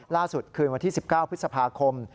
ล่าสุดคืนวันที่๑๙พฤษภาคม